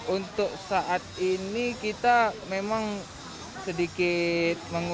untuk saat ini kita memang sedikit menguatkan